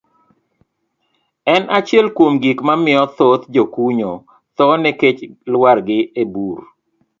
D. en achiel kuom gik mamiyo thoth jokunyo tho nikech lwargi e bur.